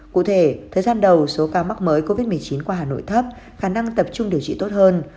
cụ thể thời gian đầu số ca mắc mới covid một mươi chín qua hà nội thấp khả năng tập trung điều trị tốt hơn